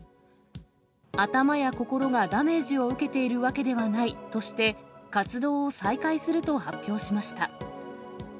頭や心がダメージを受けているわけではないとして、活動を再開すると発表しました。